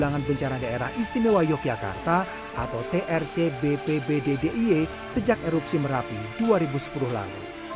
dan ulangan pencarian daerah istimewa yogyakarta atau trc bbbd die sejak erupsi merapi dua ribu sepuluh lalu